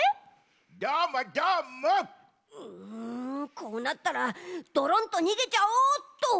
こうなったらドロンとにげちゃおうっと！